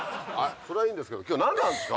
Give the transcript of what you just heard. それはいいんですけど今日何なんすか？